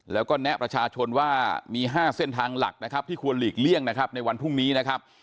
แล้วก็แนะประชาชนว่ามี๕เส้นทางหลักนะครับที่ควรหลีกเลี่ยงนะครับในวันพรุ่งนี้นะครับ